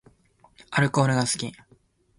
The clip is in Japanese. アルコールが好き